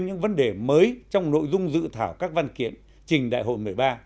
những vấn đề mới trong nội dung dự thảo các văn kiện trình đại hội một mươi ba